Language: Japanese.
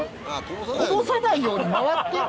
「こぼさないように回って」？